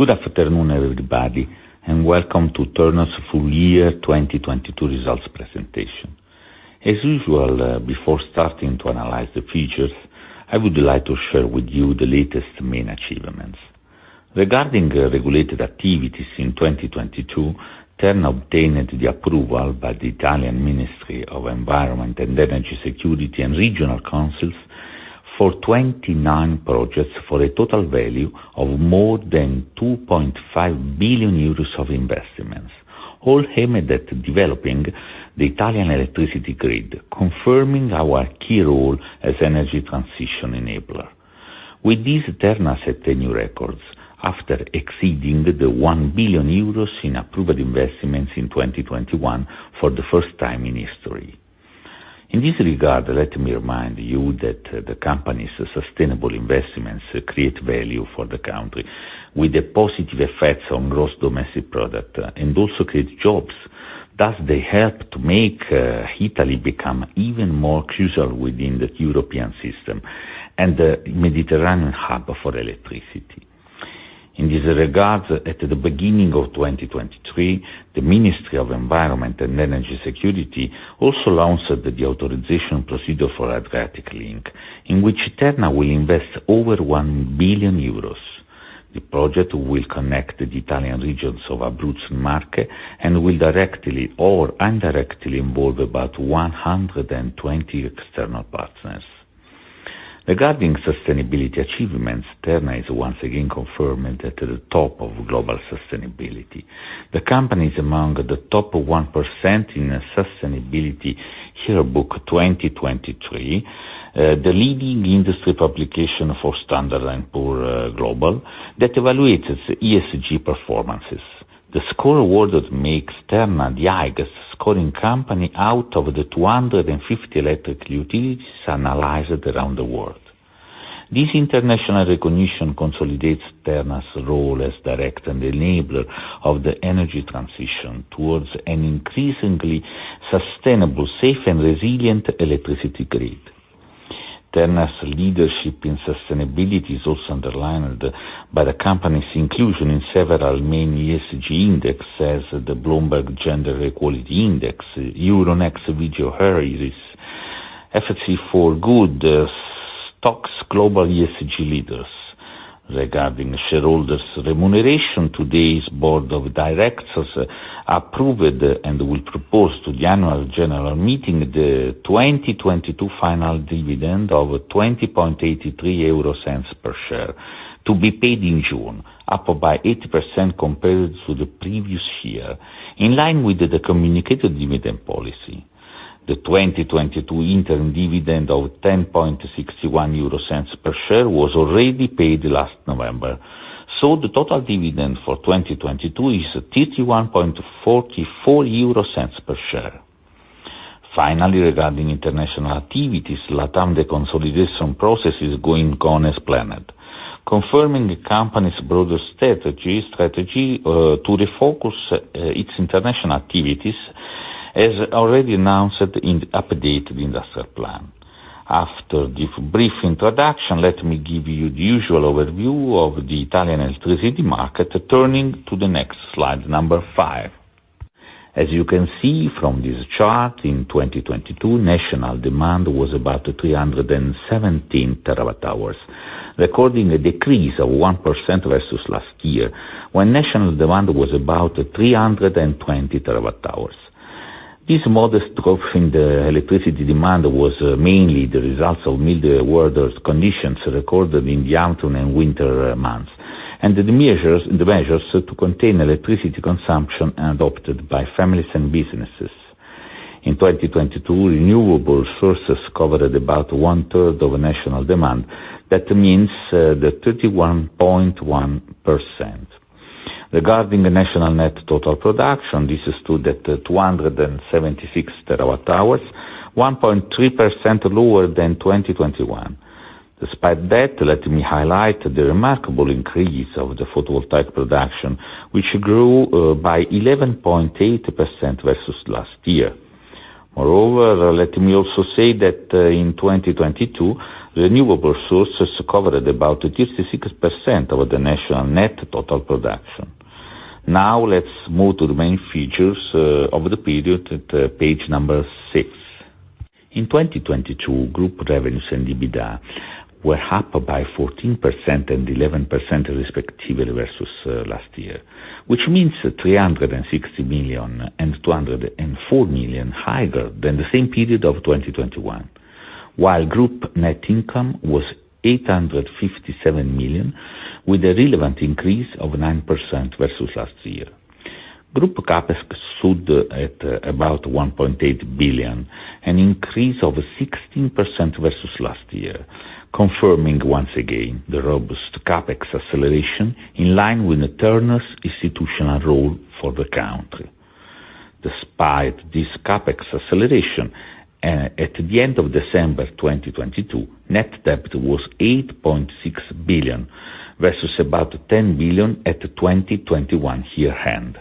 Good afternoon, everybody, and welcome to Terna's full year 2022 results presentation. As usual, before starting to analyze the features, I would like to share with you the latest main achievements. Regarding the regulated activities in 2022, Terna obtained the approval by the Italian Ministry of Environment and Energy Security and regional councils for 29 projects for a total value of more than 2.5 billion euros of investments, all aimed at developing the Italian electricity grid, confirming our key role as energy transition enabler. With this, Terna set the new records after exceeding the 1 billion euros in approved investments in 2021 for the first time in history. In this regard, let me remind you that the company's sustainable investments create value for the country with the positive effects on gross domestic product and also create jobs. Thus, they help to make Italy become even more crucial within the European system and the Mediterranean hub for electricity. In this regard, at the beginning of 2023, the Ministry of the Environment and Energy Security also launched the authorization procedure for Adriatic Link, in which Terna will invest over 1 billion euros. The project will connect the Italian regions of Abruzzo and Marche, and will directly or indirectly involve about 120 external partners. Regarding sustainability achievements, Terna is once again confirmed at the top of global sustainability. The company is among the top 1% in Sustainability Yearbook 2023, the leading industry publication for S&P Global that evaluates ESG performances. The score awarded makes Terna the highest scoring company out of the 250 electric utilities analyzed around the world. This international recognition consolidates Terna's role as direct and enabler of the energy transition towards an increasingly sustainable, safe, and resilient electricity grid. Terna's leadership in sustainability is also underlined by the company's inclusion in several main ESG indexes, the Bloomberg Gender-Equality Index, Euronext Vigeo Eiris, FTSE4Good, the STOXX Global ESG Leaders. Regarding shareholders remuneration, today's board of directors approved and will propose to the annual general meeting the 2022 final dividend of 0.2083 per share to be paid in June, up by 80% compared to the previous year, in line with the communicated dividend policy. The 2022 interim dividend of 0.1061 per share was already paid last November, so the total dividend for 2022 is 0.3144 per share. Finally, regarding international activities, Latam, the consolidation process is going as planned, confirming the company's broader strategy to refocus its international activities, as already announced in the updated industrial plan. After the brief introduction, let me give you the usual overview of the Italian electricity market, turning to the next slide, number 5. As you can see from this chart, in 2022, national demand was about 317 TWh, recording a decrease of 1% versus last year, when national demand was about 320 terawatt-hours. This modest drop in the electricity demand was mainly the results of milder weather conditions recorded in the autumn and winter months, and the measures to contain electricity consumption and opted by families and businesses. In 2022, renewable sources covered about 1/3 of national demand. That means the 31.1%. Regarding the national net total production, this is stood at 276 terawatt-hours, 1.3% lower than 2021. Despite that, let me highlight the remarkable increase of the photovoltaic production, which grew by 11.8% versus last year. Moreover, let me also say that in 2022, renewable sources covered about 36% of the national net total production. Now, let's move to the main features of the period at page number 6. In 2022, group revenues and EBITDA were up by 14% and 11% respectively versus last year, which means 360 million and 204 million higher than the same period of 2021. While group net income was 857 million, with a relevant increase of 9% versus last year. Group CapEx stood at about 1.8 billion, an increase of 16% versus last year, confirming once again the robust CapEx acceleration in line with Terna's institutional role for the country. Despite this CapEx acceleration, at the end of December 2022, net debt was 8.6 billion, versus about 10 billion at the 2021 year end.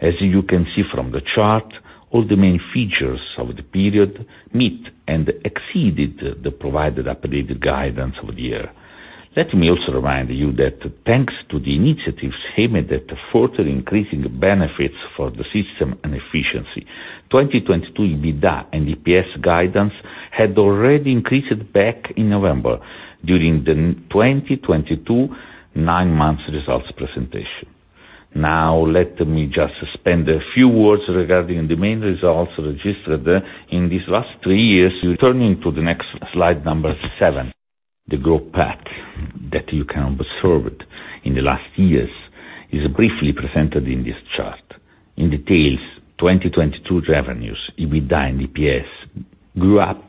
You can see from the chart, all the main features of the period meet and exceeded the provided updated guidance of the year. Let me also remind you that thanks to the initiatives aimed at further increasing benefits for the system and efficiency, 2022 EBITDA and EPS guidance had already increased back in November during the 2022 nine-month results presentation. Let me just spend a few words regarding the main results registered in these last three years. Turning to the next slide number 7, the growth path that you can observe in the last years is briefly presented in this chart. In details, 2022 revenues, EBITDA, and EPS grew up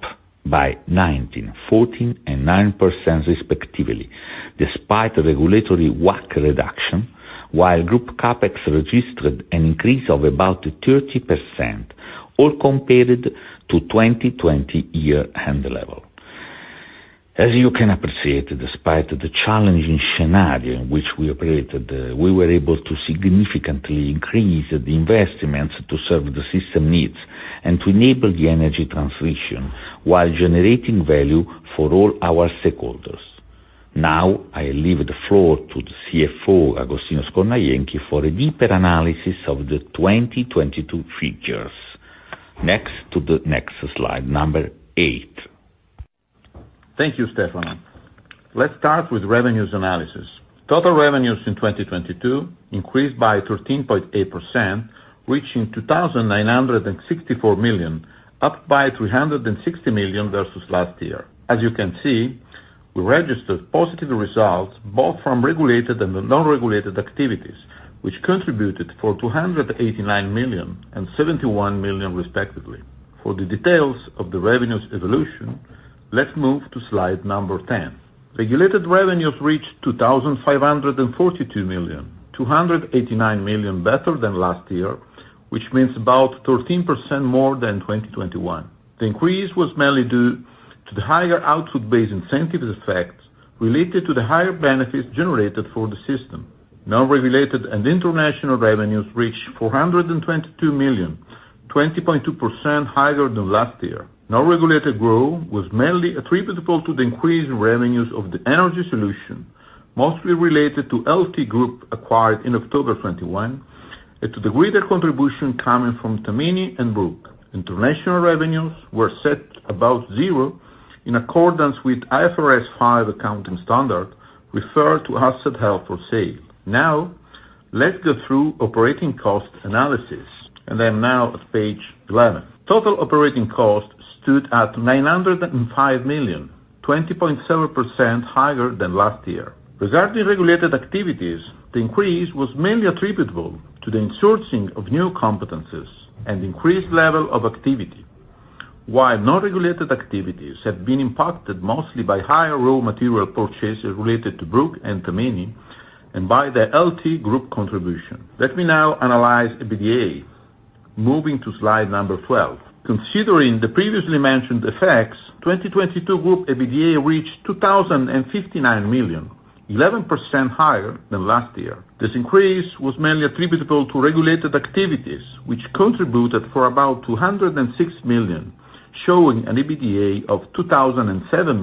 by 19%, 14%, and 9% respectively, despite regulatory WACC reduction, while group CapEx registered an increase of about 30%, all compared to 2020 year-end level. As you can appreciate, despite the challenging scenario in which we operated, we were able to significantly increase the investments to serve the system needs and to enable the energy transition while generating value for all our stakeholders. I leave the floor to the CFO, Agostino Scornajenchi, for a deeper analysis of the 2022 figures. To the next slide, number 8. Thank you, Stefano. Let's start with revenues analysis. Total revenues in 2022 increased by 13.8%, reaching 2,964 million, up by 360 million versus last year. As you can see, we registered positive results both from regulated and the non-regulated activities, which contributed for 289 million and 71 million respectively. For the details of the revenues evolution, let's move to slide 10. Regulated revenues reached 2,542 million, 289 million better than last year, which means about 13% more than 2021. The increase was mainly due to the higher output-based incentive effects related to the higher benefits generated for the system. Non-regulated and international revenues reached 422 million, 20.2% higher than last year. Non-regulated growth was mainly attributable to the increased revenues of the energy solution, mostly related to LT Group acquired in October 21, and to the greater contribution coming from Tamini and Brugg. International revenues were set above zero in accordance with IFRS 5 accounting standard referred to asset held for sale. Let's go through operating cost analysis, and I am now at page 11. Total operating cost stood at 905 million, 20.7% higher than last year. Regarding regulated activities, the increase was mainly attributable to the insourcing of new competencies and increased level of activity. Non-regulated activities have been impacted mostly by higher raw material purchases related to Brugg and Tamini and by the LT Group contribution. Let me now analyze EBITDA, moving to slide number 12. Considering the previously mentioned effects, 2022 group EBITDA reached 2,059 million, 11% higher than last year. This increase was mainly attributable to regulated activities, which contributed for about 206 million, showing an EBITDA of 2,007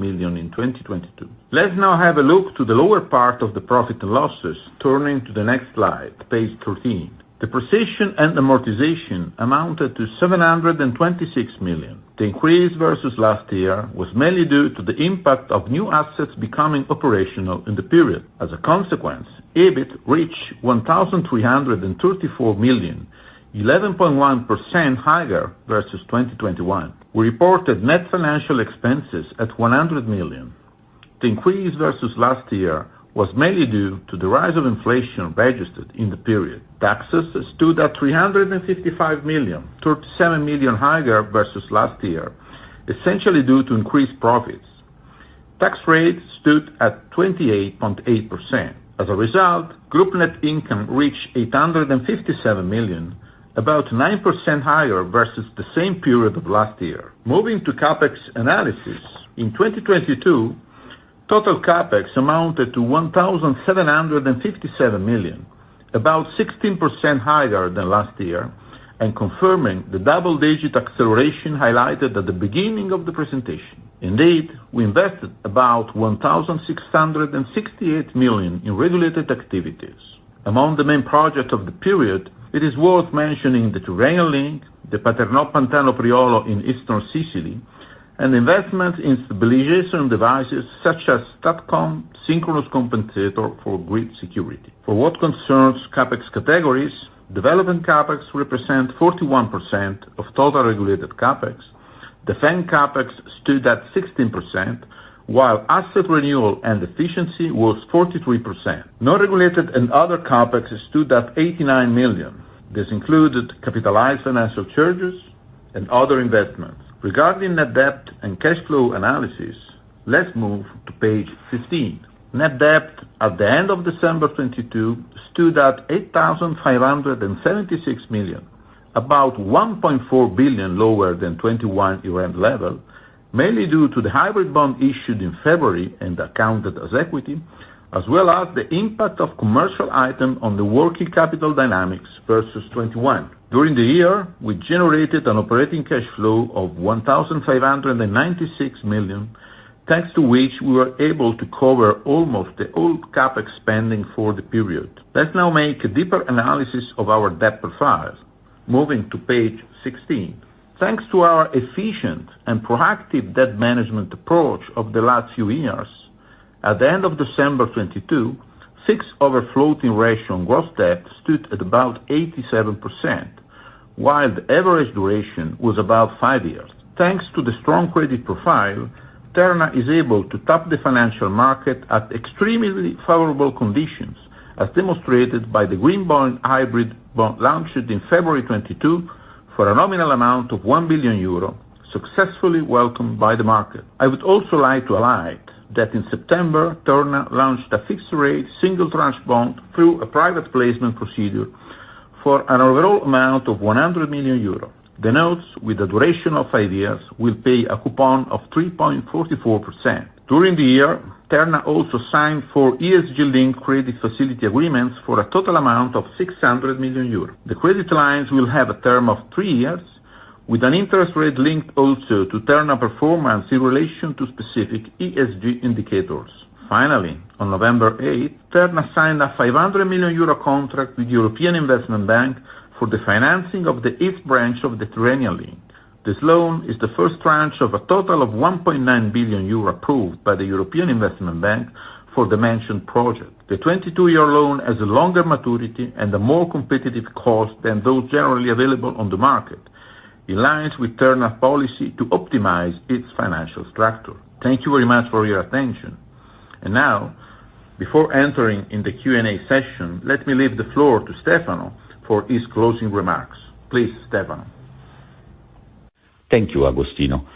million in 2022. Let's now have a look to the lower part of the profit and losses, turning to the next slide, page 13. Depreciation and amortization amounted to 726 million. The increase versus last year was mainly due to the impact of new assets becoming operational in the period. As a consequence, EBIT reached 1,334 million, 11.1% higher versus 2021. We reparted net financial expenses at 100 million. The increase versus last year was mainly due to the rise of inflation registered in the period. Taxes stood at 355 million, 37 million higher versus last year, essentially due to increased profits. Tax rate stood at 28.8%. As a result, group net income reached 857 million, about 9% higher versus the same period of last year. Moving to CapEx analysis, in 2022, total CapEx amounted to 1,757 million, about 16% higher than last year, and confirming the double-digit acceleration highlighted at the beginning of the presentation. Indeed, we invested about 1,668 million in regulated activities. Among the main projects of the period, it is worth mentioning the Tyrrhenian link, the Paternò-Pantano Priolo in Eastern Sicily, and investment in stabilization devices such as STATCOM synchronous compensator for grid security. For what concerns CapEx categories, development CapEx represent 41% of total regulated CapEx. Defend Capex stood at 16%, while asset renewal and efficiency was 43%. Non-regulated and other Capex stood at 89 million. This included capitalized financial charges and other investments. Regarding net debt and cash flow analysis, let's move to page 15. Net debt at the end of December 2022 stood at 8,576 million. About 1.4 billion lower than 2021 year-end level, mainly due to the hybrid bond issued in February and accounted as equity, as well as the impact of commercial item on the working capital dynamics versus 2021. During the year, we generated an operating cash flow of 1,596 million, thanks to which we were able to cover almost the old Capex spending for the period. Let's now make a deeper analysis of our debt profile. Moving to page 16. Thanks to our efficient and proactive debt management approach of the last few years, at the end of December 2022, fixed overfloating ratio on gross debt stood at about 87%, while the average duration was about 5 years. Thanks to the strong credit profile, Terna is able to top the financial market at extremely favorable conditions, as demonstrated by the green bond hybrid bond launched in February 2022 for a nominal amount of 1 billion euro, successfully welcomed by the market. I would also like to highlight that in September, Terna launched a fixed rate single tranche bond through a private placement procedure for an overall amount of 100 million euro. The notes with a duration of 5 years will pay a coupon of 3.44%. During the year, Terna also signed four ESG link credit facility agreements for a total amount of 600 million euros. The credit lines will have a term of 3 years with an interest rate linked also to Terna performance in relation to specific ESG indicators. Finally, on November 8th, Terna signed a 500 million euro contract with European Investment Bank for the financing of the 8th branch of the Tyrrhenian Link. This loan is the first tranche of a total of 1.9 billion euro approved by the European Investment Bank for the mentioned project. The 22-year loan has a longer maturity and a more competitive cost than those generally available on the market, in line with Terna policy to optimize its financial structure. Thank you very much for your attention. Before entering in the Q&A session, let me leave the floor to Stefano for his closing remarks. Please, Stefano. Thank you, Agostino.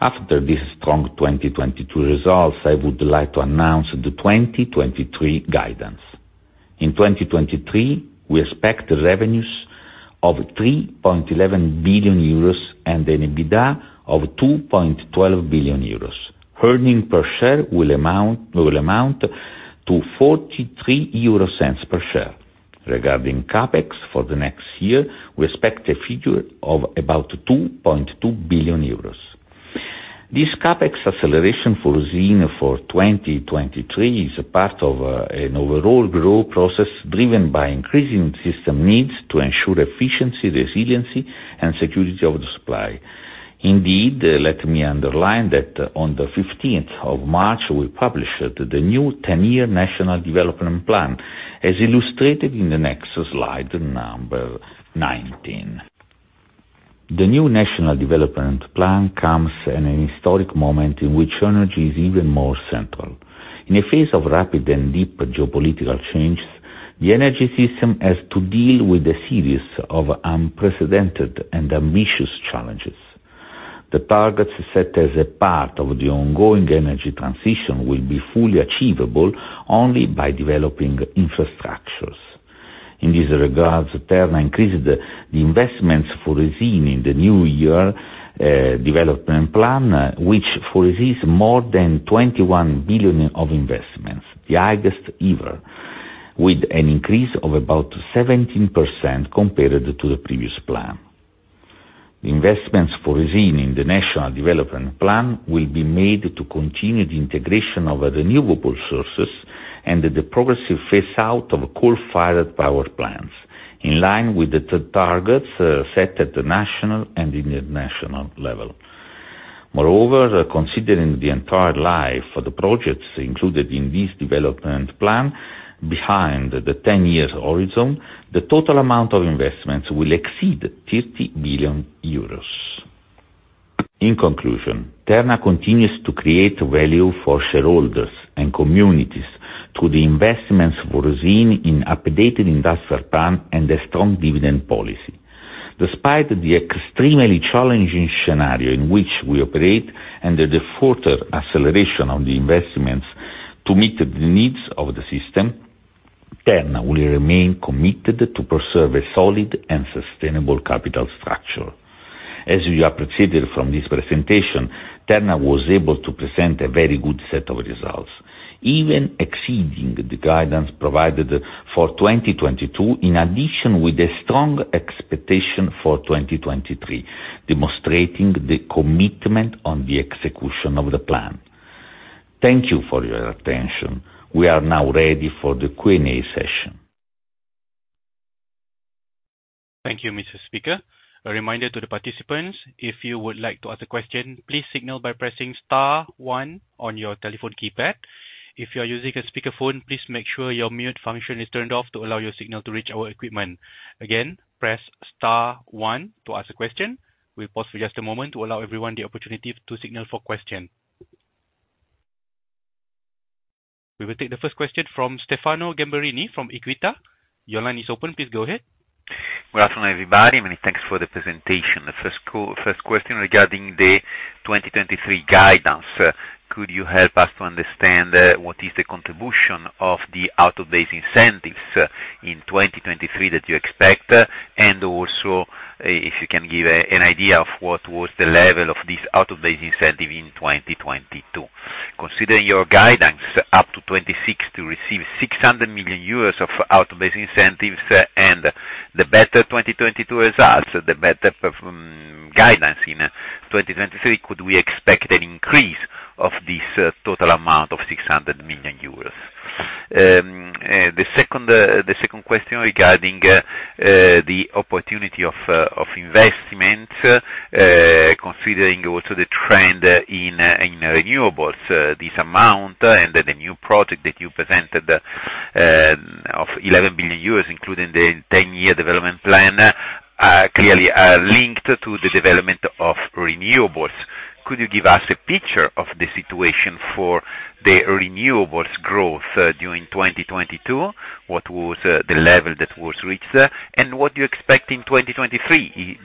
After this strong 2022 results, I would like to announce the 2023 guidance. In 2023, we expect revenues of 3.11 billion euros and an EBITDA of 2.12 billion euros. Earning per share will amount to 0.43 per share. Regarding CapEx for the next year, we expect a figure of about 2.2 billion euros. This CapEx acceleration foreseen for 2023 is a part of an overall growth process driven by increasing system needs to ensure efficiency, resiliency and security of the supply. Indeed, let me underline that on the 15th of March, we published the new ten-year national development plan, as illustrated in the next slide, number 19. The new national development plan comes in an historic moment in which energy is even more central. In a phase of rapid and deep geopolitical changes, the energy system has to deal with a series of unprecedented and ambitious challenges. The targets set as a part of the ongoing energy transition will be fully achievable only by developing infrastructures. In this regard, Terna increased the investments foreseen in the new year, development plan, which foresees more than 21 billion of investments, the highest ever, with an increase of about 17% compared to the previous plan. The investments foreseen in the national development plan will be made to continue the integration of renewable sources and the progressive phase out of coal-fired power plants, in line with the targets, set at the national and international level. Moreover, considering the entire life of the projects included in this development plan, behind the 10 years horizon, the total amount of investments will exceed 50 billion euros. In conclusion, Terna continues to create value for shareholders and communities through the investments foreseen in updated industrial plan and a strong dividend policy. Despite the extremely challenging scenario in which we operate and the further acceleration of the investments to meet the needs of the system, Terna will remain committed to preserve a solid and sustainable capital structure. As you appreciated from this presentation, Terna was able to present a very good set of results, even exceeding the guidance provided for 2022, in addition with a strong expectation for 2023, demonstrating the commitment on the execution of the plan. Thank you for your attention. We are now ready for the Q&A session. Thank you, Mr. Speaker. A reminder to the participants, if you would like to ask a question, please signal by pressing star one on your telephone keypad. If you are using a speakerphone, please make sure your mute function is turned off to allow your signal to reach our equipment. Again, press star one to ask a question. We'll pause for just a moment to allow everyone the oppartunity to signal for question. We will take the first question from Stefano Gamberini from Equita. Your line is open. Please go ahead. Good afternoon, everybody. Many thanks for the presentation. The first question regarding the 2023 guidance. Could you help us to understand what is the contribution of the output-based incentives in 2023 that you expect, and also if you can give an idea of what was the level of this output-based incentive in 2022? Considering your guidance up to 2026 to receive 600 million euros of output-based incentives, and the better 2022 results, the better guidance in 2023, could we expect an increase of this total amount of 600 million euros? The second question regarding the oppartunity of investment, considering also the trend in renewables, this amount and then the new project that you presented of 11 billion euros, including the 10-year development plan, are clearly linked to the development of renewables. Could you give us a picture of the situation for the renewables growth during 2022? What was the level that was reached? What do you expect in 2023?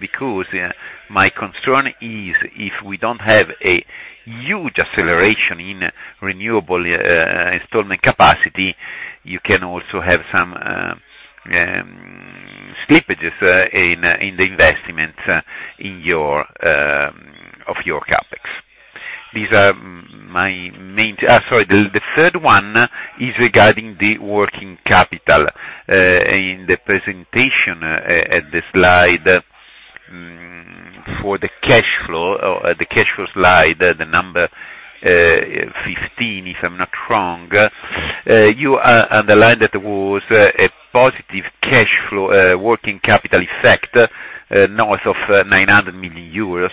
My concern is if we don't have a huge acceleration in renewable installment capacity, you can also have some slippages in the investment in your of your Capex. These are my main... Sorry. The third one is regarding the working capital. In the presentation, at the slide for the cash flow, or the cash flow slide, the number 15, if I'm not wrong, you underlined that there was a positive cash flow working capital effect north of 900 million euros.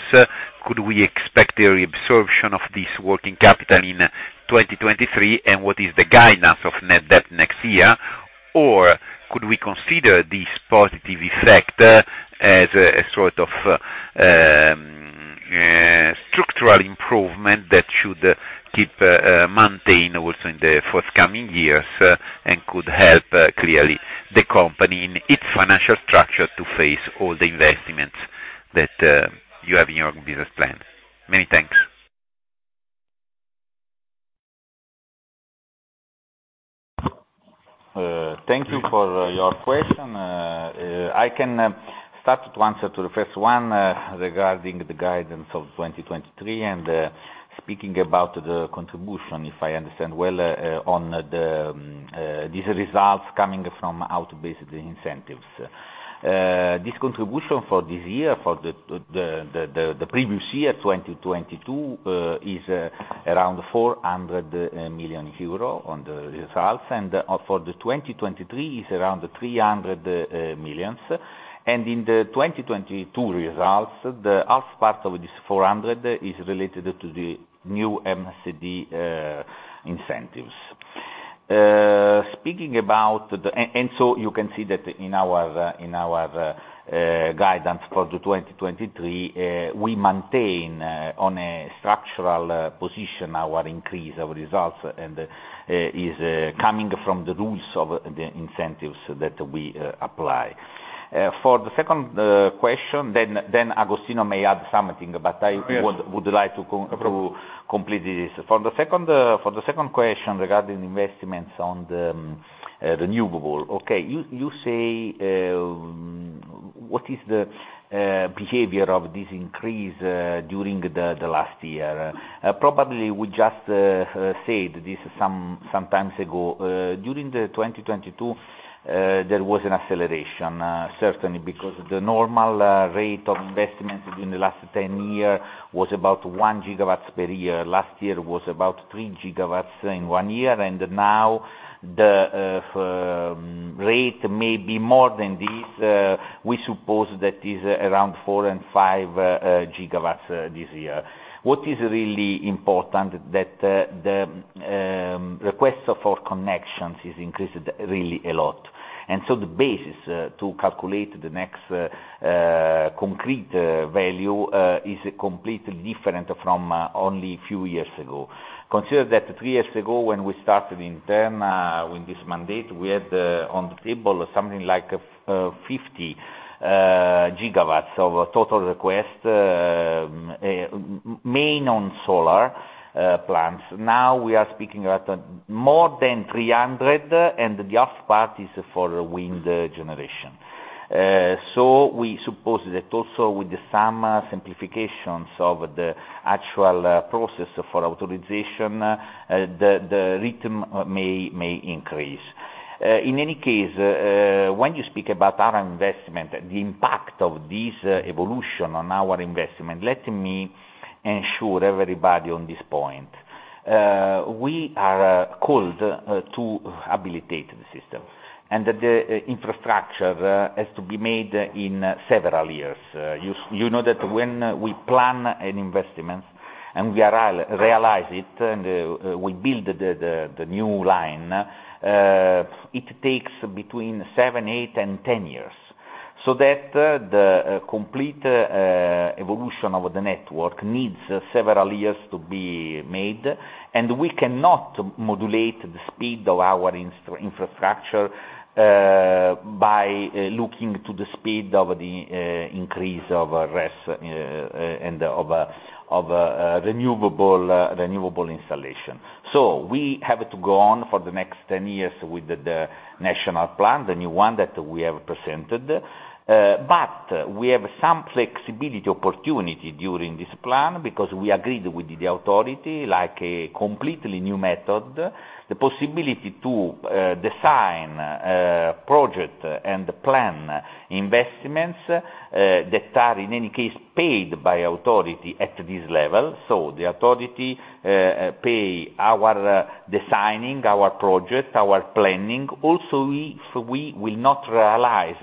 Could we expect a reabsorption of this working capital in 2023, and what is the guidance of net debt next year? Or could we consider this positive effect as a sort of structural improvement that should keep maintain also in the forthcoming years and could help clearly the company in its financial structure to face all the investments that you have in your business plan? Many thanks. Thank you for your question. I can start to answer to the first one regarding the guidance of 2023, speaking about the contribution, if I understand well, on the these results coming from output-based incentives. This contribution for this year, for the previous year, 2022, is around 400 million euro on the results, for the 2023 is around 300 million. In the 2022 results, the half part of this 400 is related to the new MCD incentives. You can see that in our guidance for the 2023, we maintain on a structural position our increase, our results, and is coming from the rules of the incentives that we apply. For the second question, Agostino may add something, but I would. Yes Would like to complete this. For the second question regarding investments on the renewable. Okay. You say what is the behavior of this increase during the last year? Probably we just said this some times ago. During 2022, there was an acceleration, certainly because the normal rate of investment during the last 10 year was about 1 GW per year. Last year was about 3 GW in 1 year, now the rate may be more than this. We suppose that is around 4 and 5 GW this year. What is really impartant that the requests for connections is increased really a lot. The basis to calculate the next concrete value is completely different from only a few years ago. Consider that 3 years ago, when we started in Terna with this mandate, we had on the table something like 50 GW of total request main on solar plants. Now we are speaking about more than 300, and the other part is for wind generation. We suppose that also with some simplifications of the actual process for authorization, the rhythm may increase. In any case, when you speak about our investment, the impact of this evolution on our investment, let me ensure everybody on this point. We are called to habilitate the system, and the infrastructure has to be made in several years. You know that when we plan an investment and we are realize it, and we build the new line, it takes between 7, 8, and 10 years. The complete evolution of the network needs several years to be made, and we cannot modulate the speed of our infrastructure by looking to the speed of the increase of RES and of renewable installation. We have to go on for the next 10 years with the national plan, the new one that we have presented. We have some flexibility opportunity during this plan because we agreed with the authority like a completely new method, the possibility to design project and plan investments that are in any case, paid by authority at this level. The authority pay our designing, our project, our planning. Also, if we will not realize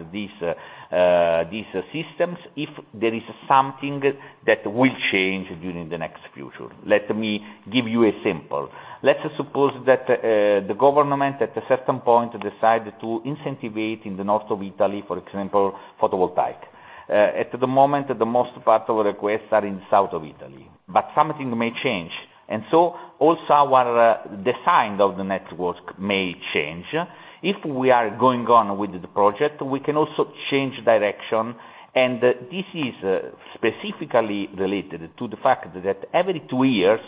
these systems, if there is something that will change during the next future. Let me give you a simple. Let's suppose that the government, at a certain point, decide to incentivize in the north of Italy, for example, photovoltaic. At the moment, the most part of requests are in south of Italy, but something may change. Also our design of the network may change. If we are going on with the project, we can also change direction. This is specifically related to the fact that every 2 years,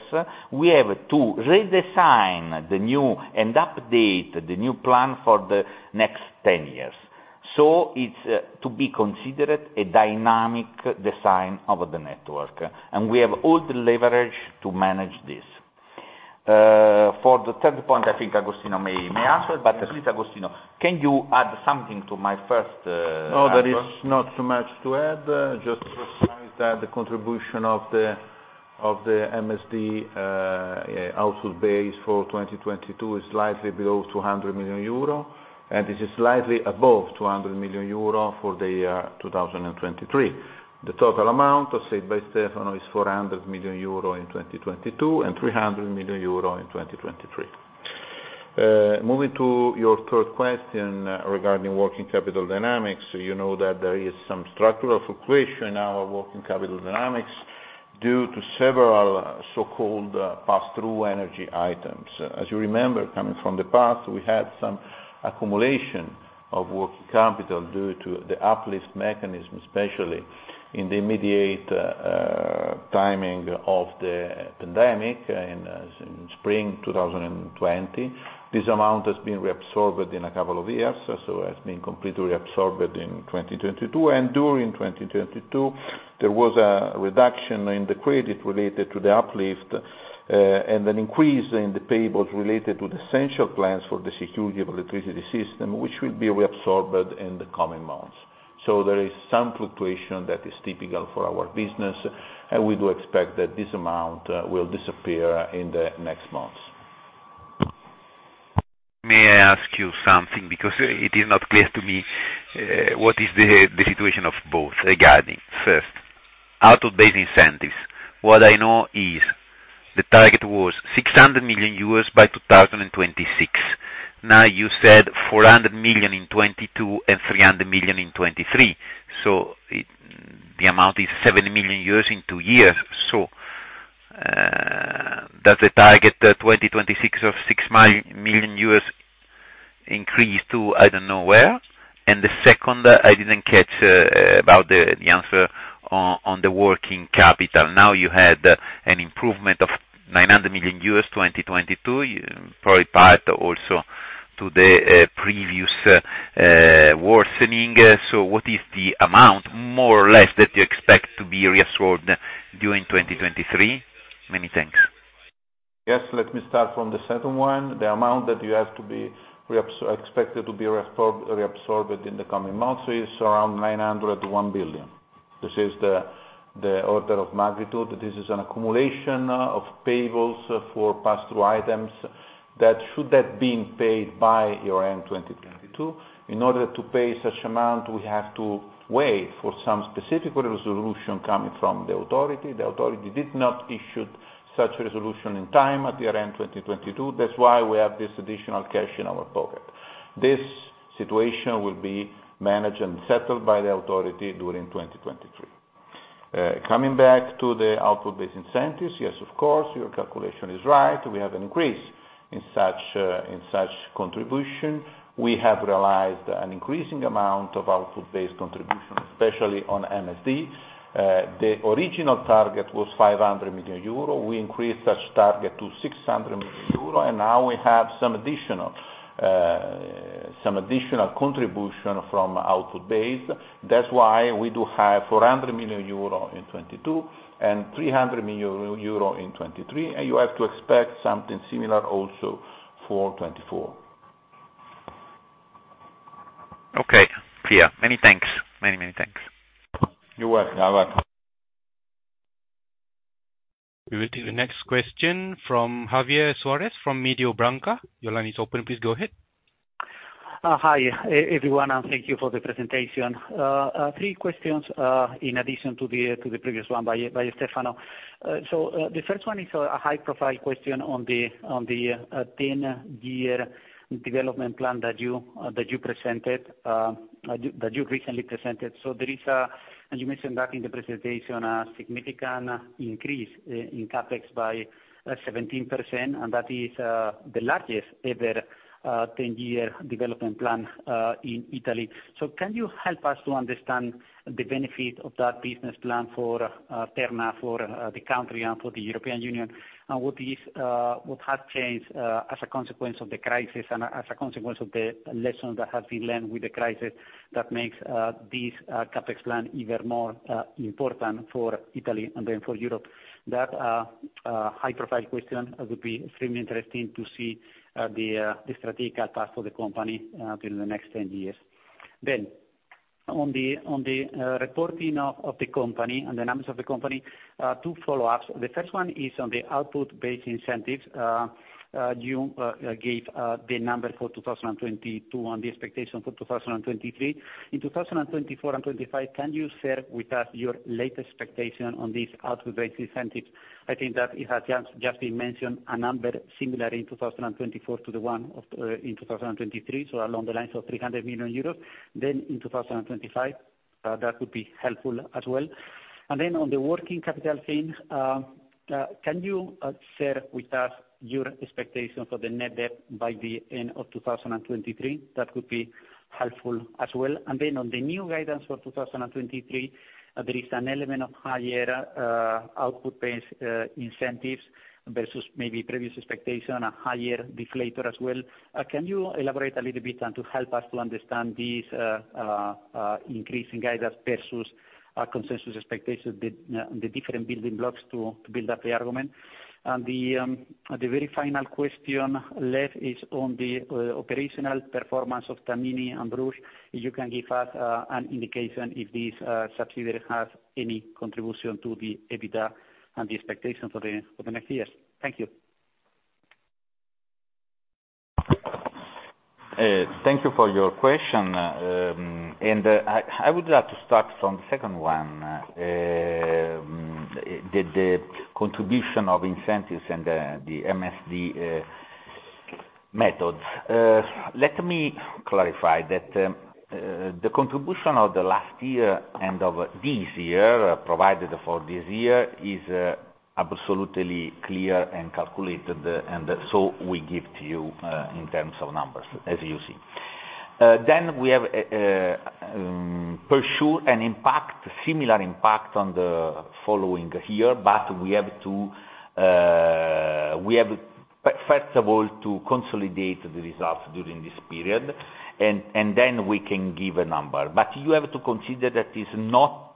we have to redesign the new and update the new plan for the next 10 years. It's to be considered a dynamic design of the network, and we have all the leverage to manage this. For the third point, I think Agostino may answer. Please, Agostino, can you add something to my first answer? No, there is not too much to add. Just to precise that the contribution of the MSD output base for 2022 is slightly below 200 million euro, and this is slightly above 200 million euro for the year 2023. The total amount, as said by Stefano, is 400 million euro in 2022, and 300 million euro in 2023. Moving to your third question regarding working capital dynamics. You know that there is some structural fluctuation in our working capital dynamics due to several so-called pass-through energy items. As you remember, coming from the past, we had some accumulation of working capital due to the uplift mechanism, especially in the immediate timing of the pandemic in spring 2020. This amount has been reabsorbed in a couple of years, so it has been completely reabsorbed in 2022. During 2022, there was a reduction in the credit related to the uplift, and an increase in the payables related with essential plans for the security of electricity system, which will be reabsorbed in the coming months. There is some fluctuation that is typical for our business, and we do expect that this amount will disappear in the next months. It is not clear to me what is the situation of both regarding, first, output-based incentives. What I know is the target was 600 million by 2026. You said 400 million in 2022 and 300 million in 2023. The amount is 7 million in two years. Does the target 2026 of 6 million increase to I don't know where? The second, I didn't catch about the answer on the working capital. You had an improvement of 900 million, 2022, probably part also to the previous worsening. What is the amount more or less that you expect to be reabsorbed during 2023? Many thanks. Yes. Let me start from the second one. The amount that you asked to be expected to be reabsorbed in the coming months is around 900 million to 1 billion. This is the order of magnitude. This is an accumulation of payables for pass-through items that should have been paid by year-end 2022. In order to pay such amount, we have to wait for some specific resolution coming from the authority. The authority did not issue such resolution in time at year-end 2022. That's why we have this additional cash in our pocket. This situation will be managed and settled by the authority during 2023. Coming back to the output-based incentives, yes, of course, your calculation is right. We have an increase in such contribution. We have realized an increasing amount of output-based contribution, especially on MSD. The original target was 500 million euro. We increased such target to 600 million euro. Now we have some additional contribution from output base. That's why we do have 400 million euro in 2022 and 300 million euro in 2023. You have to expect something similar also for 2024. Okay. Clear. Many thanks. Many, many thanks. You're welcome. Bye-bye. We will take the next question from Javier Suarez from Mediobanca. Your line is open. Please go ahead. Hi everyone, thank you for the presentation. Three questions, in addition to the previous one by Stefano. The first one is a high-profile question on the 10-year development plan that you presented, that you recently presented. There is a, and you mentioned that in the presentation, a significant increase in CapEx by 17%, and that is the largest-ever 10-year development plan in Italy. Can you help us to understand the benefit of that business plan for Terna, for the country, and for the European Union? What is, what has changed as a consequence of the crisis and as a consequence of the lessons that have been learned with the crisis that makes this Capex plan even more impartant for Italy and for Europe? That high-profile question would be extremely inteRESing to see the strategic path for the company during the next 10 years. On the reporting of the company and the numbers of the company, two follow-ups. The first one is on the output-based incentives. You gave the number for 2022 and the expectation for 2023. In 2024 and 2025, can you share with us your late expectation on these output-based incentives? I think that it has just been mentioned a number similar in 2024 to the one in 2023, so along the lines of 300 million euros. In 2025, that would be helpful as well. On the working capital thing, can you share with us your expectations for the net debt by the end of 2023? That would be helpful as well. On the new guidance for 2023, there is an element of higher output-based incentives versus maybe previous expectation, a higher deflator as well. Can you elaborate a little bit and to help us to understand these increasing guidance versus consensus expectations, the different building blocks to build up the argument? The very final question left is on the operational performance of Tamini and Brugg. You can give us an indication if this subsidiary has any contribution to the EBITDA and the expectations for the next years. Thank you. Thank you for your question. I would like to start from the second one. The contribution of incentives and the MSD methods. Let me clarify that the contribution of the last year and of this year, provided for this year, is absolutely clear and calculated, and so we give to you in terms of numbers, as you see. We have for sure an impact, similar impact on the following year, but we have to, we have first of all, to consolidate the results during this period, and then we can give a number. You have to consider that it's not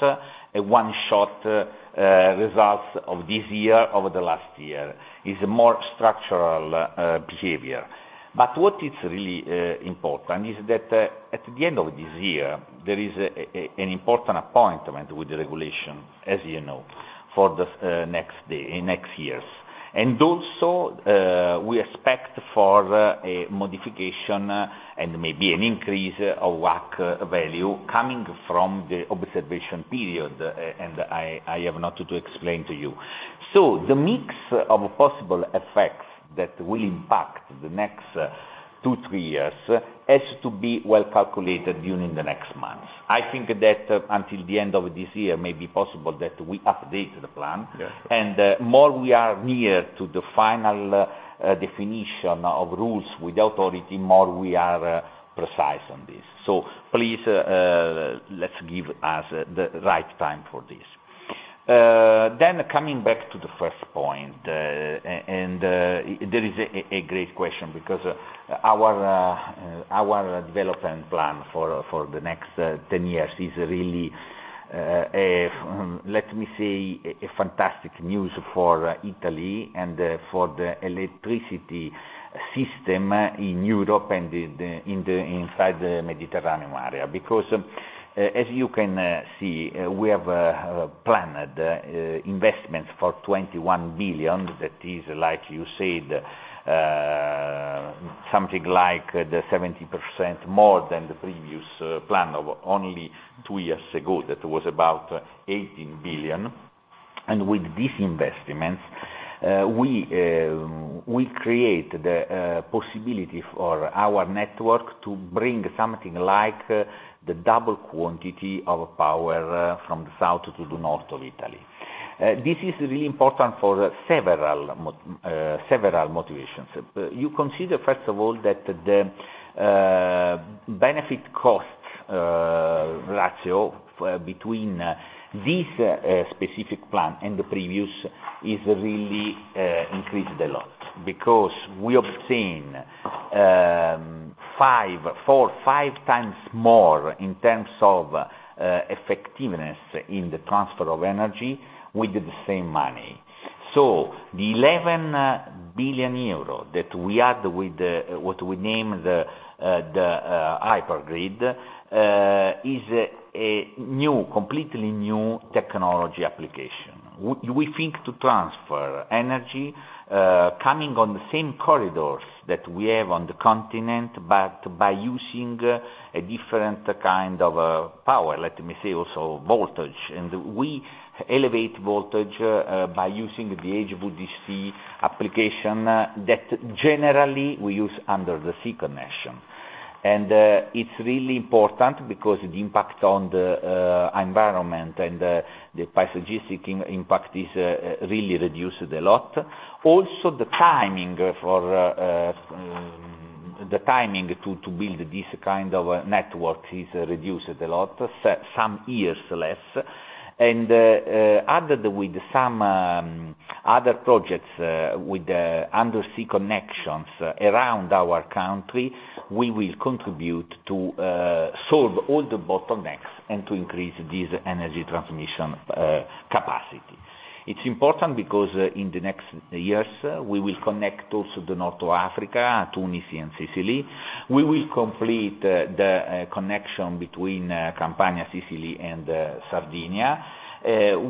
a one-shot result of this year, over the last year. It's a more structural behavior. What is really impartant is that at the end of this year, there is an impartant appointment with the regulation, as you know, for the next years. We expect for a modification and maybe an increase of WACC value coming from the observation period, and I have not to explain to you. The mix of possible effects that will impact the next two, three years has to be well calculated during the next months. I think that until the end of this year, it may be possible that we update the plan. Yes. More we are near to the final definition of rules with authority, more we are precise on this. Please, let's give us the right time for this. Coming back to the first point, and there is a great question because our development plan for the next 10 years is really, let me say a fantastic news for Italy and for the electricity system in Europe and inside the Mediterranean area. As you can see, we have planned investments for 21 billion. That is, like you said, something like the 70% more than the previous plan of only 2 years ago, that was about 18 billion. With these investments, we create the possibility for our network to bring something like the double quantity of power from the south to the north of Italy. This is really impartant for several motivations. You consider, first of all, that the benefit cost ratio between this specific plan and the previous is really increased a lot because we have seen 4, 5x more in terms of effectiveness in the transfer of energy with the same money. The 11 billion euro that we had with what we name the Hypergrid is a new, completely new technology application. We think to transfer energy coming on the same corridors that we have on the continent, but by using a different kind of power, let me say, also voltage. We elevate voltage by using the HVDC application that generally we use under the sea connection. It's really impartant because the impact on the environment and the psychologic impact is really reduced a lot. Also, the timing for the timing to build this kind of network is reduced a lot, some years less. Added with some other projects with the undersea connections around our country, we will contribute to solve all the bottlenecks and to increase this energy transmission capacity. It's impartant because in the next years, we will connect also the North to Africa, Tunisia and Sicily. We will complete the connection between Campania, Sicily, and Sardinia.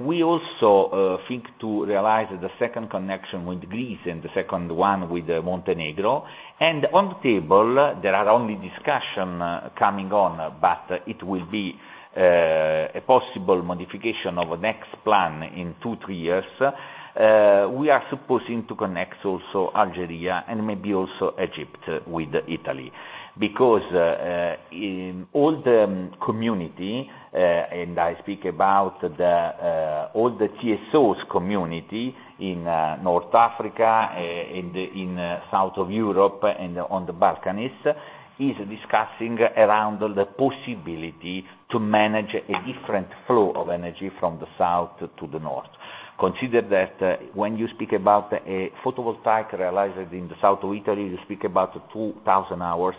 We also think to realize the second connection with Greece and the second one with Montenegro. On the table, there are only discussion coming on, but it will be a possible modification of next plan in 2, 3 years. We are supposing to connect also Algeria and maybe also Egypt with Italy. In all the community, and I speak about all the TSOs community in North Africa, in the south of Europe and on the Balkans, is discussing around the possibility to manage a different flow of energy from the south to the north. Consider that when you speak about a photovoltaic realized in the south of Italy, you speak about 2,000 hours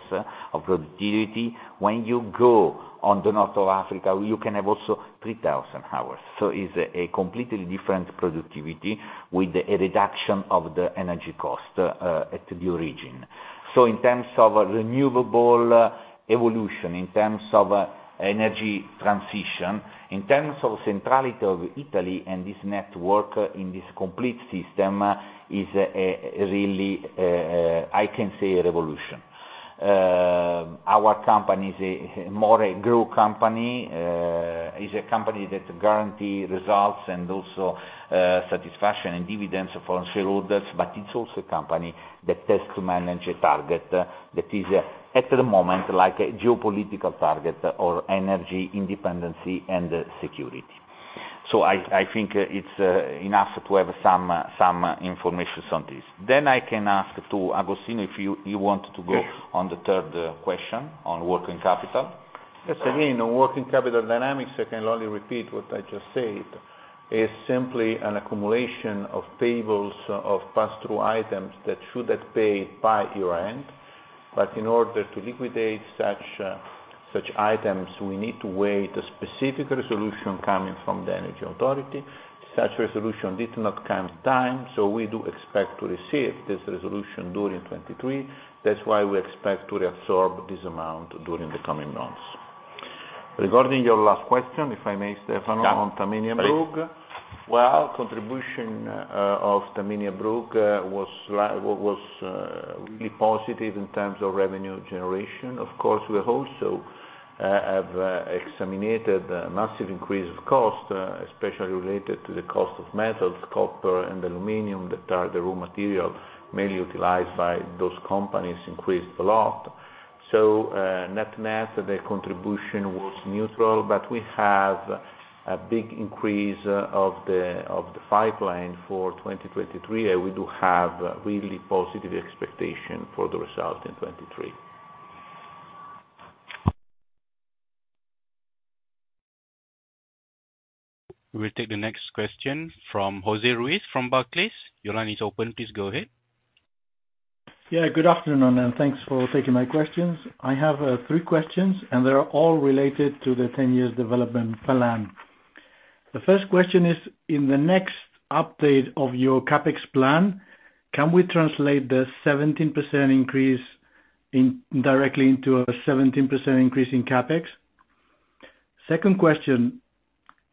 of productivity. When you go on the north of Africa, you can have also 3,000 hours. It's a completely different productivity with a reduction of the energy cost at the origin. In terms of renewable evolution, in terms of energy transition, in terms of centrality of Italy and this network in this complete system is really I can say a revolution. Our company is a more a grow company. Is a company that guarantee results and also satisfaction and dividends from shareholders, but it's also a company that has to manage a target that is, at the moment, like a geopolitical target or energy independency and security. I think it's enough to have some informations on this. I can ask to Agostino, if you want. Yes. On the third question on working capital. Yes, again, on working capital dynamics, I can only repeat what I just said, is simply an accumulation of payables, of pass-through items that should have paid by year-end. In order to liquidate such items, we need to wait a specific resolution coming from the energy authority. Such resolution did not come time, we do expect to receive this resolution during 2023. That's why we expect to reabsorb this amount during the coming months. Regarding your last question, if I may, Stefano. Yeah. On Tamini and Brugg. Well, contribution of Tamini and Brugg was really positive in terms of revenue generation. Of course, we also have examined a massive increase of cost, especially related to the cost of metals, copper and aluminum that are the raw material mainly utilized by those companies increased a lot. Net-net, their contribution was neutral, but we have a big increase of the pipeline for 2023, and we do have really positive expectation for the result in 2023. We'll take the next question from Jose Ruiz from Barclays. Your line is open. Please go ahead. Good afternoon, and thanks for taking my questions. I have three questions, and they are all related to the 10-year development plan. The first question is, in the next update of your Capex plan, can we translate the 17% increase directly into a 17% increase in Capex? Second question,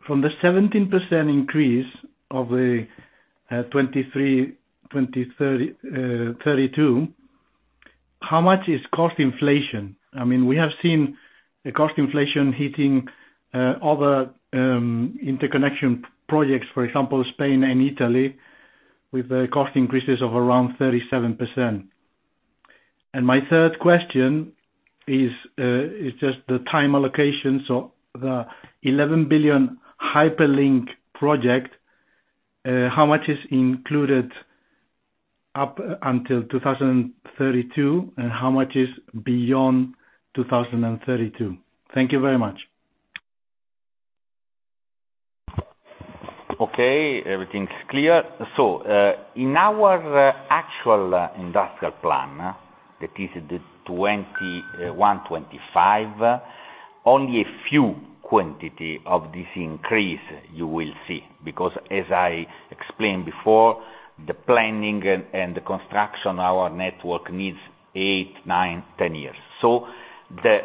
from the 17% increase of the 2023-2032, how much is cost inflation? I mean, we have seen the cost inflation hitting other interconnection projects, for example, Spain and Italy, with cost increases of around 37%. My third question is just the time allocation. The 11 billion Hypergrid project, how much is included up until 2032, and how much is beyond 2032? Thank you very much. Okay, everything's clear. In our actual industrial plan, that is the 2021-2025, only a few quantity of this increase you will see, because as I explained before, the planning and the construction, our network needs eight, nine, 10 years. The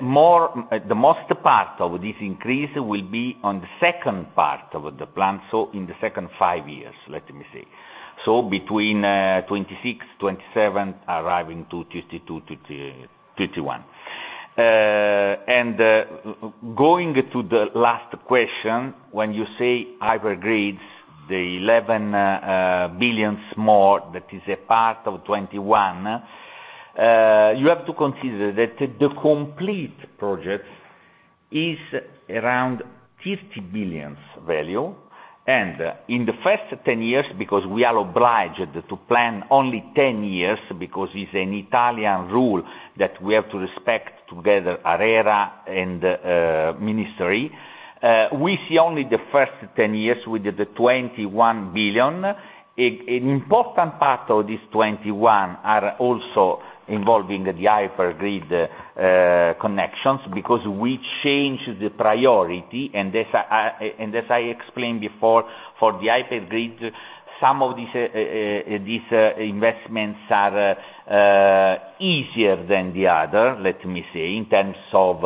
most part of this increase will be on the 2nd part of the plan, so in the 2nd 5 years, let me say. Between 2026, 2027, arriving to 2032, 2030, 2031. Going to the last question, when you say Hypergrid, the 11 billion more that is a part of 21, you have to consider that the complete project is around 50 billion value. In the first 10 years, because we are obliged to plan only 10 years, because it's an Italian rule that we have to respect together ARERA and the Ministry, we see only the first 10 years with the 21 billion. An impartant part of this 21 are also involving the Hypergrid connections, because we change the priority, and as I explained before, for the Hypergrid, some of these investments are easier than the other, let me say, in terms of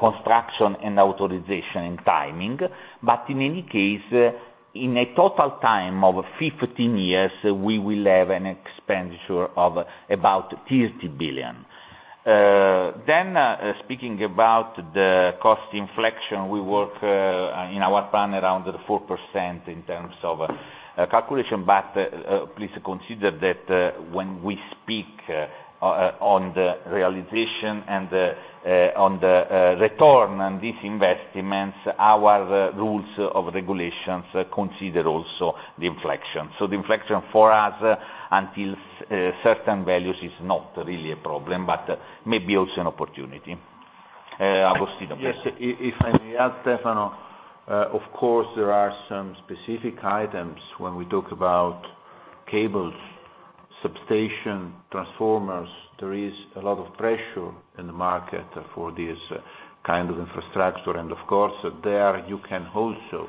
construction and authorization and timing. In any case, in a total time of 15 years, we will have an expenditure of about 30 billion. Speaking about the cost inflation, we work in our plan around the 4% in terms of calculation. Please consider that when we speak on the realization and the on the return on these investments, our rules of regulations consider also the inflection. The inflection for us until certain values is not really a problem, but maybe also an oppartunity. Agostino. Yes. If I may add, Stefano, of course, there are some specific items when we talk about cables, substation, transformers. There is a lot of pressure in the market for this kind of infrastructure. Of course, there you can also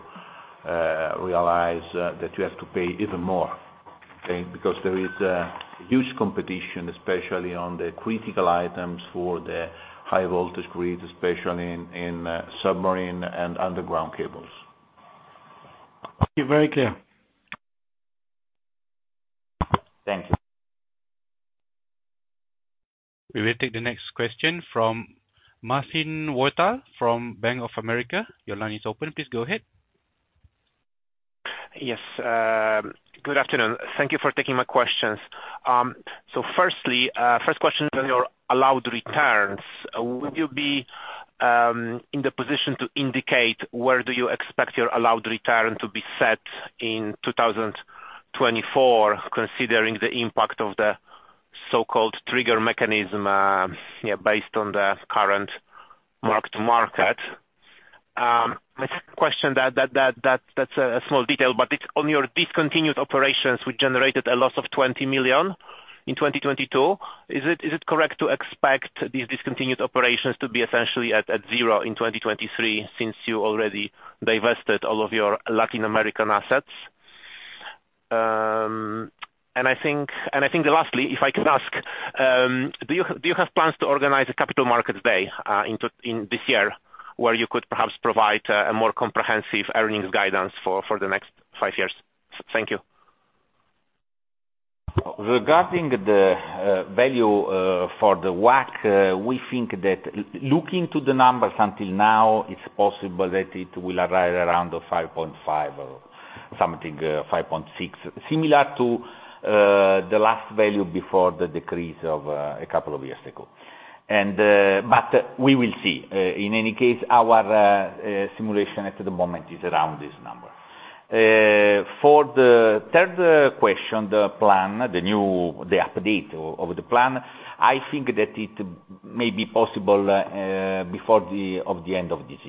realize that you have to pay even more, okay? Because there is a huge competition, especially on the critical items for the high voltage grid, especially in submarine and underground cables. Thank you. Very clear. Thank you. We will take the next question from Marcin Wojtal from Bank of America. Your line is open. Please go ahead. Yes. Good afternoon. Thank you for taking my questions. Firstly, first question on your allowed returns. Will you be in the position to indicate where do you expect your allowed return to be set in 2024, considering the impact of the so-called trigger mechanism, based on the current mark-to-market? My second question, that's a small detail, but it's on your discontinued operations, which generated a loss of 20 million in 2022, is it correct to expect these discontinued operations to be essentially at zero in 2023 since you already divested all of your Latin American assets? I think lastly, if I could ask, do you have plans to organize a capital markets day? in this year, where you could perhaps provide a more comprehensive earnings guidance for the next five years? Thank you. Regarding the value for the WACC, we think that looking to the numbers until now, it's possible that it will arrive around 5.5 or something, 5.6, similar to the last value before the decrease of a couple of years ago. But we will see. In any case, our simulation at the moment is around this number. For the third question, the update of the plan, I think that it may be possible before the end of this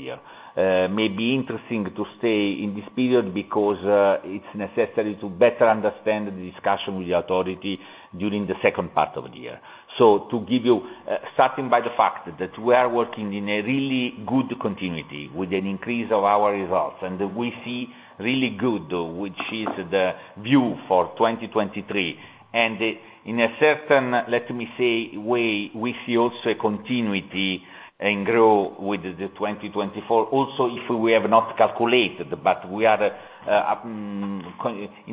year. May be inteRESing to stay in this period because it's necessary to better understand the discussion with the authority during the second part of the year. To give you, starting by the fact that we are working in a really good continuity with an increase of our results, and we see really good, which is the view for 2023. In a certain, let me say, way, we see also a continuity and grow with the 2024. If we have not calculated, but we are in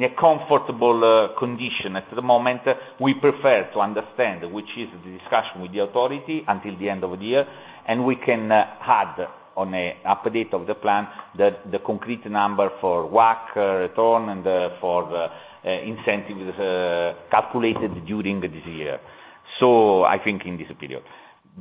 a comfortable condition at the moment, we prefer to understand, which is the discussion with the Authority until the end of the year. We can add on a update of the plan the concrete number for WACC return and for incentive calculated during this year. I think in this period.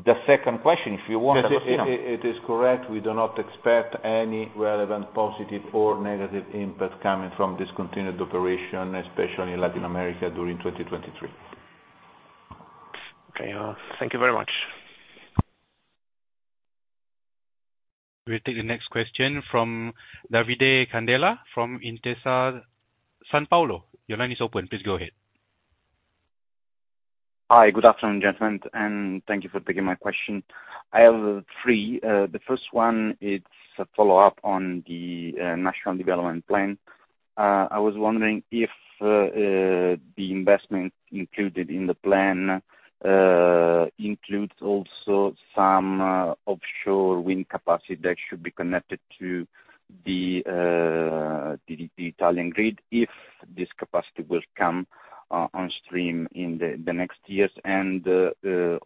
The second question, if you want, Agostino. It is correct. We do not expect any relevant positive or negative impact coming from discontinued operation, especially in Latin America during 2023. Okay. Thank you very much. We'll take the next question from Davide Candela from Intesa Sanpaolo. Your line is open. Please go ahead. Hi, good afternoon, gentlemen, and thank you for taking my question. I have three. The first one, it's a follow-up on the national development plan. I was wondering if the investment included in the plan includes also some offshore wind capacity that should be connected to the Italian grid, if this capacity will come on stream in the next years.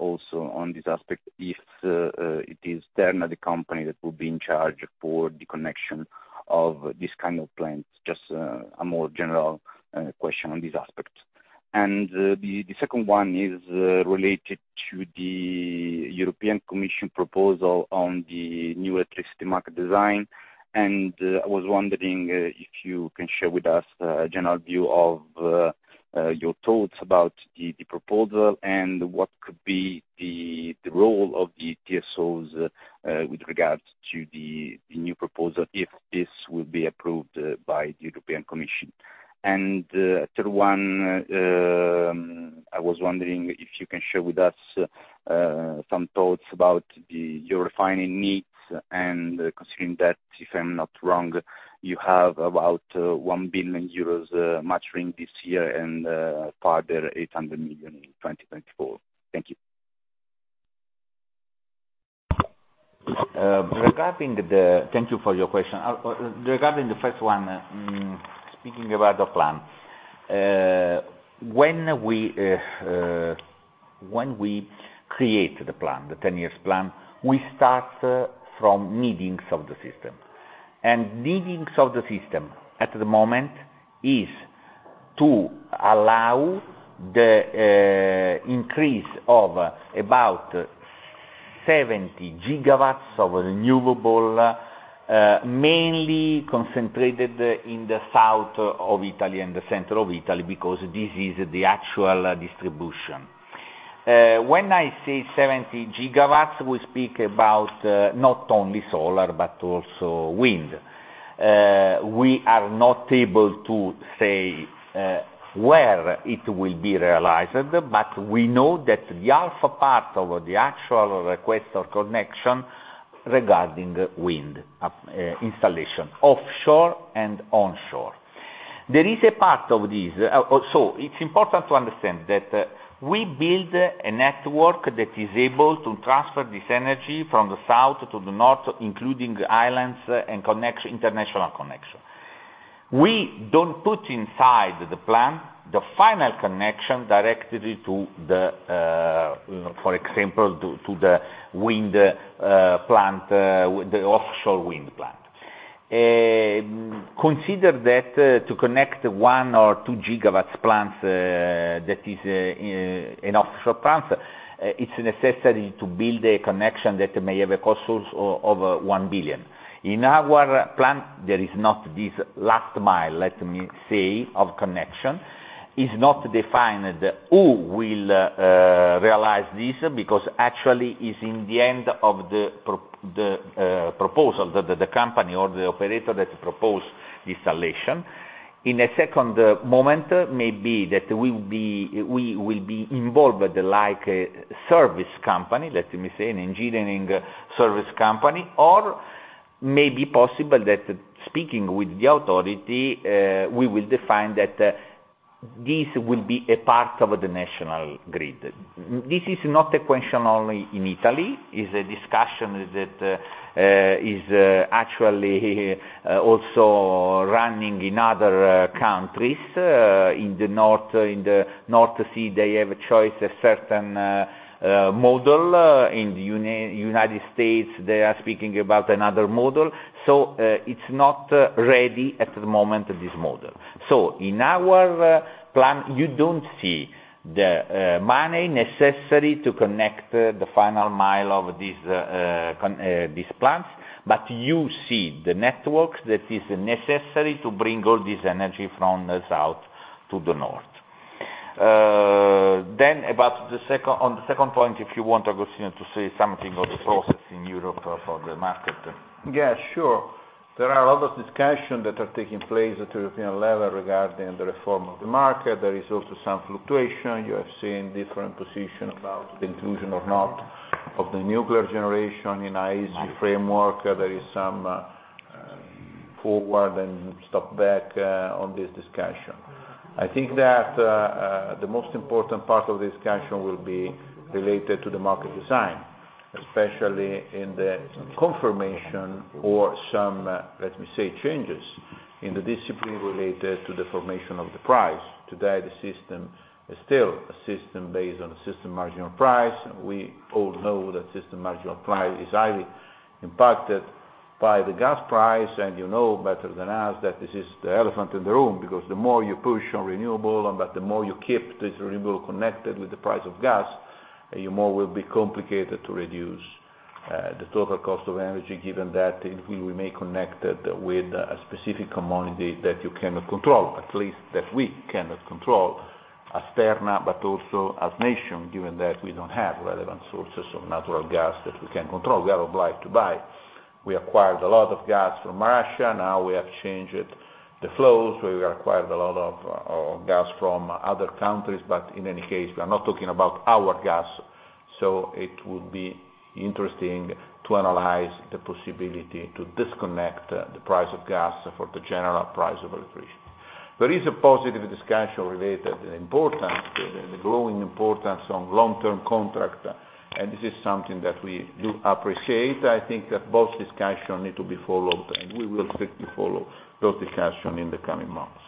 Also on this aspect, if it is Terna, the company, that will be in charge for the connection of this kind of plans. Just a more general question on this aspect. The second one is related to the European Commission proposal on the new electricity market design. I was wondering if you can share with us a general view of your thoughts about the proposal and what could be the role of the TSOs with regards to the new proposal, if this will be approved by the European Commission. Third one, I was wondering if you can share with us some thoughts about your refinancing needs and considering that, if I'm not wrong, you have about 1 billion euros maturing this year and further 800 million in 2024. Thank you. Regarding the... Thank you for your question. Regarding the first one, speaking about the plan. When we, when we create the plan, the 10 years plan, we start from needings of the system. Needings of the system, at the moment, is to allow the increase of about 70 GW of renewable, mainly concentrated in the south of Italy and the center of Italy, because this is the actual distribution. When I say 70 GW, we speak about not only solar, but also wind. We are not able to say where it will be realized, but we know that the alpha part of the actual request or connection regarding wind installation offshore and onshore. There is a part of this. It's impartant to understand that we build a network that is able to transfer this energy from the south to the north, including the islands and international connection. We don't put inside the plan the final connection directly to the, for example, to the wind plant, the offshore wind plant. Consider that to connect 1 or 2 gigawatts plants that is in offshore plants, it's necessary to build a connection that may have a cost of 1 billion. In our plan, there is not this last mile, let me say, of connection. Is not defined who will realize this, because actually is in the end of the proposal, the company or the operator that propose the installation. In a second moment, maybe that we will be involved with like a service company, let me say, an engineering service company, or maybe possible that speaking with the authority, we will define that, this will be a part of the national grid. This is not a question only in Italy. Is a discussion that is actually also running in other countries. In the North, in the North Sea, they have a choice, a certain model. In United States, they are speaking about another model. It's not ready at the moment, this model. In our plan, you don't see the money necessary to connect the final mile of this these plants, but you see the networks that is necessary to bring all this energy from the south to the north. On the second point, if you want, Agostino, to say something of the process in Europe for the market. Sure. There are a lot of discussions that are taking place at European level regarding the reform of the market. There is also some fluctuation. You have seen different position about the inclusion or not of the nuclear generation in IEC framework. There is some forward and stop back on this discussion. I think that the most impartant part of the discussion will be related to the market design, especially in the confirmation or some, let me say, changes in the discipline related to the formation of the price. Today, the system is still a system based on a system marginal price. We all know that system marginal price is highly impacted by the gas price. You know better than us that this is the elephant in the room, because the more you push on renewable, and that the more you keep this renewable connected with the price of gas, you more will be complicated to reduce the total cost of energy, given that it will remain connected with a specific commodity that you cannot control, at least, that we cannot control. As Terna, but also as nation, given that we don't have relevant sources of natural gas that we can control, we are obliged to buy. We acquired a lot of gas from Russia, now we have changed the flows. We acquired a lot of gas from other countries, but in any case, we are not talking about our gas. It would be inteRESing to analyze the possibility to disconnect the price of gas for the general price of electricity. There is a positive discussion related the growing impartance on long-term contract. This is something that we do appreciate. I think that both discussion need to be followed, and we will strictly follow those discussion in the coming months.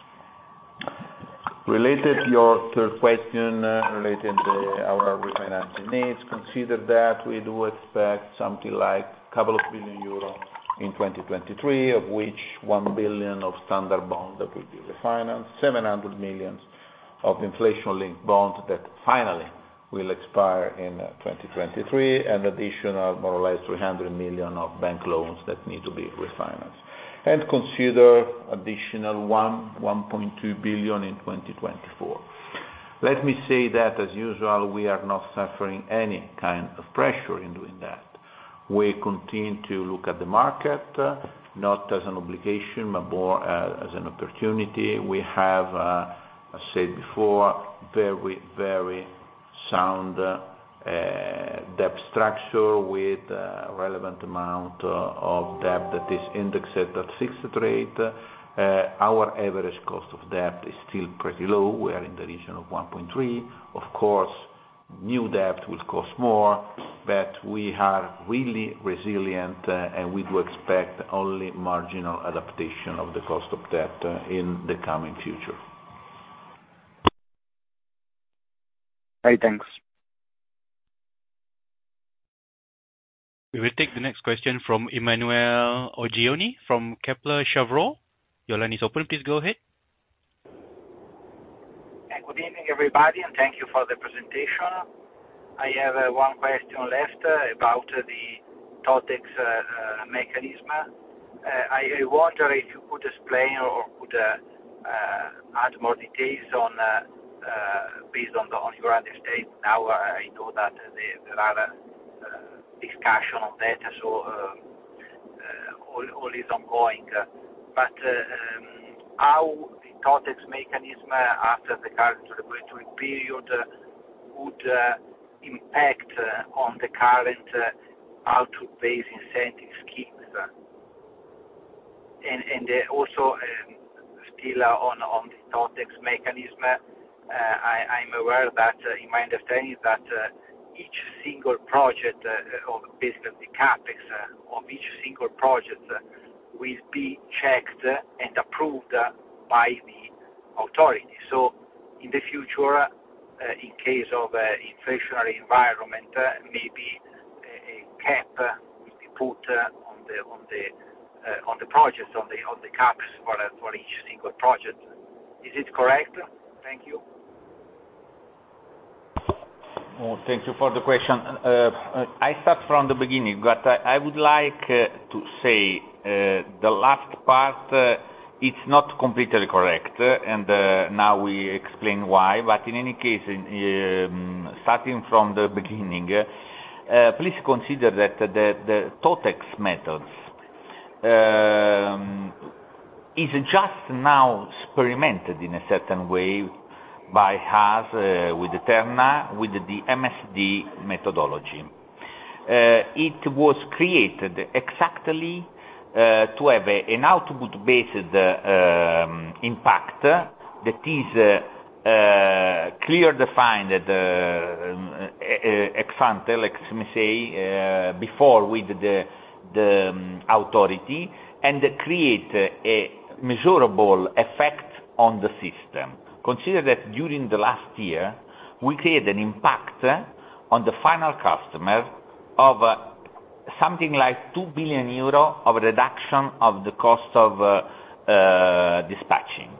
Related to your third question, related to our refinancing needs, consider that we do expect something like 2 billion euros in 2023, of which 1 billion of standard bond that will be refinanced, 700 million of inflation-linked bond that finally will expire in 2023, additional more or less 300 million of bank loans that need to be refinanced. Consider additional 1.2 billion in 2024. Let me say that, as usual, we are not suffering any kind of pressure in doing that. We continue to look at the market, not as an obligation, but more as an oppartunity. We have, as said before, very sound debt structure with a relevant amount of debt that is indexed at a fixed rate. Our average cost of debt is still pretty low. We are in the region of 1.3. Of course, new debt will cost more, but we are really resilient, and we do expect only marginal adaptation of the cost of debt in the coming future. Okay, thanks. We will take the next question from Emanuele Oggioni from Kepler Cheuvreux. Your line is open. Please go ahead. Good evening, everybody, and thank you for the presentation. I have 1 question left about the TOTEX mechanism. I wonder if you could explain or could add more details on based on your understanding now, I know that there are a discussion on that, so all is ongoing. How the TOTEX mechanism after the current regulatory period would impact on the current output-based incentive schemes? Also, still on the TOTEX mechanism, I'm aware that, in my understanding that, each single project of basically CapEx on each single project will be checked and approved by the authority. In the future, in case of a inflationary environment, maybe a cap will be put on the projects, on the caps for each single project. Is it correct? Thank you. Well, thank you for the question. I start from the beginning, but I would like to say, the last part, it's not completely correct, and now we explain why. In any case, starting from the beginning, please consider that the TOTEX methods is just now experimented in a certain way by us with Terna, with the MSD methodology. It was created exactly to have an output-based impact that is clear defined at the ex-ante, let me say, before with the authority and create a measurable effect on the system. Consider that during the last year, we created an impact on the final customer of something like 2 billion euro of reduction of the cost of dispatching.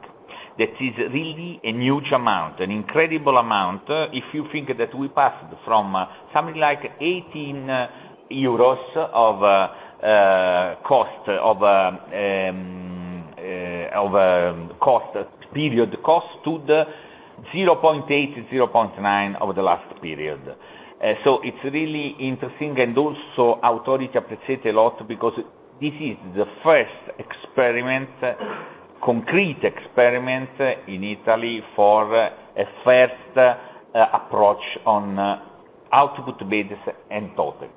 That is really a huge amount, an incredible amount, if you think that we passed from something like 18 euros of, cost, period cost to the 0.8, 0.9 over the last period. It's really inteRESing and also authority appreciate a lot because this is the first experiment, concrete experiment in Italy for a first, approach on output basis and TOTEX.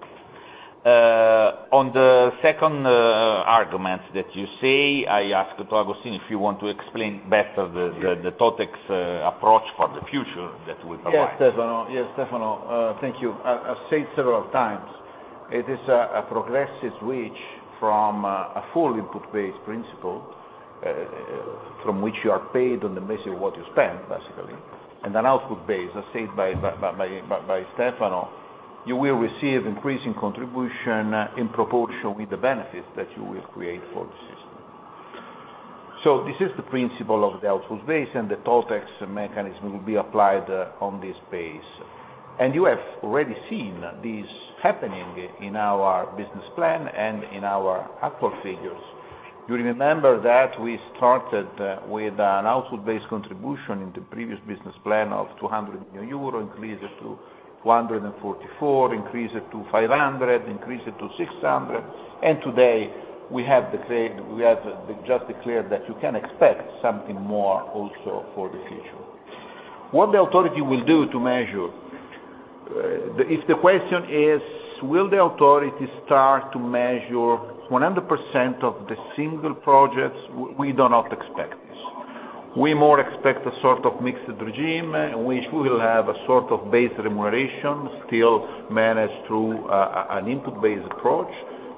On the second, argument that you say, I ask to Agostino, if you want to explain better the TOTEX, approach for the future that we provide. Yes, Stefano. Thank you. I've said several times, it is a progressive switch from a full input-based principle from which you are paid on the basis of what you spend, basically, and an output base, as said by Stefano. You will receive increasing contribution in proportion with the benefits that you will create for the system. This is the principle of the output base, and the TOTEX mechanism will be applied on this base. You have already seen this happening in our business plan and in our actual figures. You remember that we started with an output-based contribution in the previous business plan of 200 million euro, increased it to 444 million, increased it to 500 million, increased it to 600 million. Today, we have declared, we have just declared that you can expect something more also for the future. What the authority will do to measure, if the question is will the authority start to measure 100% of the single projects, we do not expect this. We more expect a sort of mixed regime, which we will have a sort of base remuneration still managed through an input-based approach,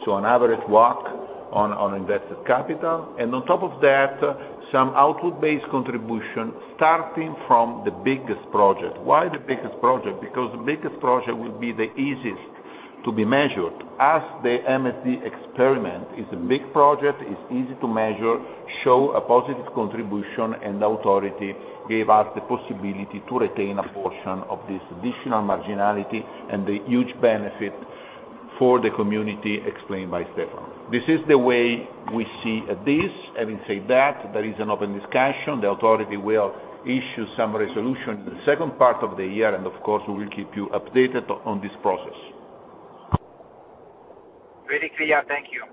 so an average WACC on invested capital. On top of that, some output-based contribution starting from the biggest project. Why the biggest project? Because the biggest project will be the easiest to be measured. As the MSD experiment is a big project, it's easy to measure, show a positive contribution, and the authority gave us the possibility to retain a partion of this additional marginality and the huge benefit for the community explained by Stefano. This is the way we see this. Having said that, there is an open discussion. The authority will issue some resolution in the second part of the year, and of course, we will keep you updated on this process. Very clear. Thank you.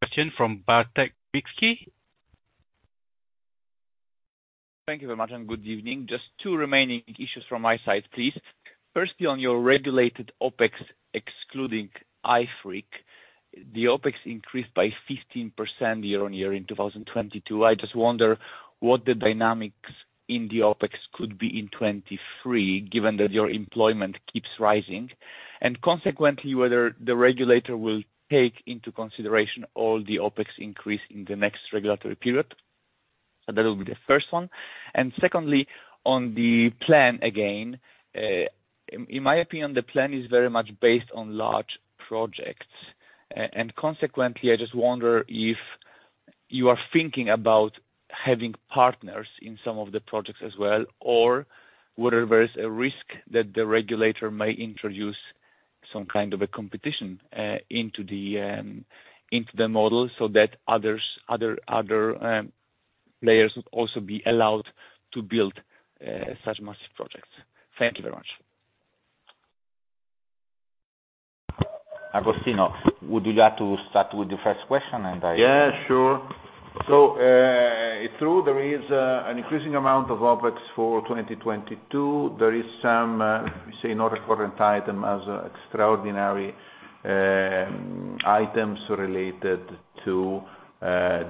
Question from Bartek Biskupiak. Thank you very much. Good evening. Just 2 remaining issues from my side, please. Firstly, on your regulated OpEx, excluding IFRIC, the OpEx increased by 15% year-on-year in 2022. I just wonder what the dynamics in the OpEx could be in 2023, given that your employment keeps rising, and consequently, whether the regulator will take into consideration all the OpEx increase in the next regulatory period. That will be the first one. Secondly, on the plan again, in my opinion, the plan is very much based on large projects. Consequently, I just wonder if you are thinking about having partners in some of the projects as well, or whether there is a risk that the regulator may introduce some kind of a competition into the model so that other players would also be allowed to build such massive projects. Thank you very much. Agostino, would you like to start with the first question? Yeah, sure. It's true, there is an increasing amount of OpEx for 2022. There is some, say, non-recurrent item as extraordinary items related to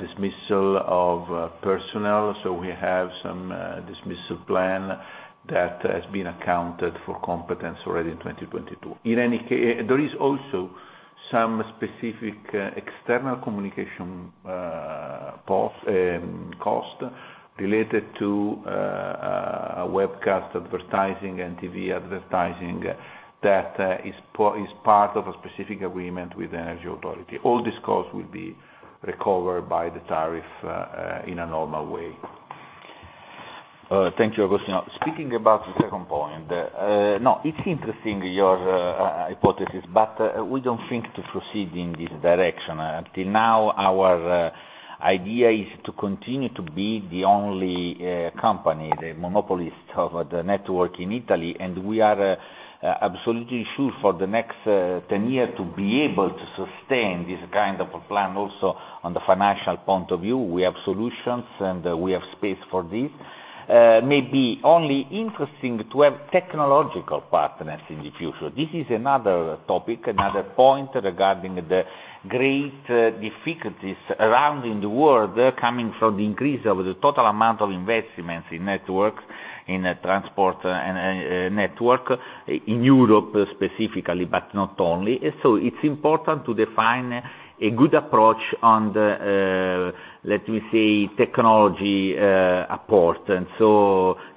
dismissal of personnel. We have some dismissal plan that has been accounted for competence already in 2022. In any There is also some specific external communication cost related to a webcast advertising and TV advertising that is part of a specific agreement with the energy authority. All these costs will be recovered by the tariff in a normal way. Thank you, Agostino. Speaking about the second point, no, it's interesting your hypothesis, but we don't think to proceed in this direction. Until now, our idea is to continue to be the only company, the monopolist of the network in Italy. We are absolutely sure for the next 10 years to be able to sustain this kind of a plan also on the financial point of view. We have solutions, and we have space for this. Maybe only interesting to have technological partners in the future. This is another topic, another point regarding the great difficulties around in the world coming from the increase of the total amount of investments in networks, in the transport and network in Europe specifically, but not only. It's important to define a good approach on the, let me say, technology, part,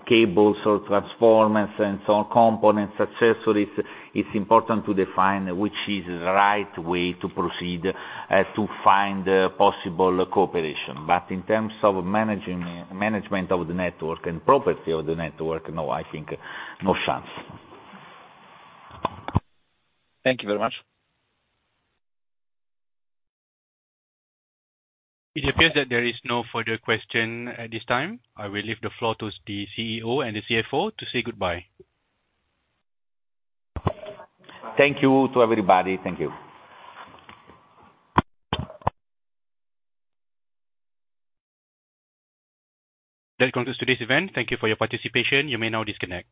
cables or transformers and so on, components, accessories, it's important to define which is the right way to proceed, to find possible cooperation. In terms of management of the network and property of the network, no, I think no chance. Thank you very much. It appears that there is no further question at this time. I will leave the floor to the CEO and the CFO to say goodbye. Thank you to everybody. Thank you. That concludes today's event. Thank you for your participation. You may now disconnect.